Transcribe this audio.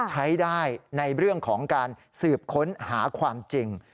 ใช้ได้ในเรื่องของการสืบค้นหาความจริง